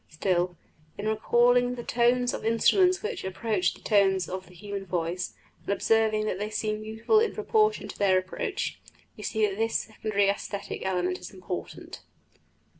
Still, in recalling the tones of instruments which approach the tones of the human voice, and observing that they seem beautiful in proportion to their approach, we see that this secondary æsthetic element is important."